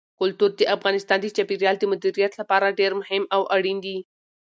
کلتور د افغانستان د چاپیریال د مدیریت لپاره ډېر مهم او اړین دي.